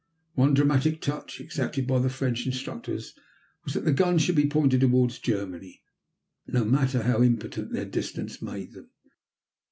One dramatic touch exacted by the French instructors was that the guns should be pointed toward Germany, no matter how impotent their distance made them.